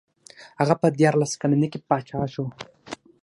هغه په دیارلس کلنۍ کې پاچا شو.